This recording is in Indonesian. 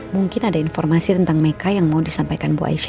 mungkin ada informasi tentang mereka yang mau disampaikan bu aisyah